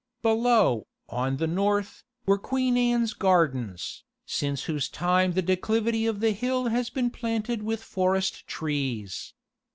Below, on the north, were Queen Anne's gardens, since whose time the declivity of the hill has been planted with forest trees.